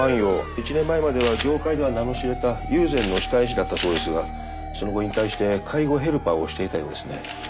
１年前までは業界では名の知れた友禅の下絵師だったそうですがその後引退して介護ヘルパーをしていたようですね。